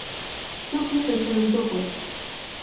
Дыгә иҟаиҵаран дыҟои?!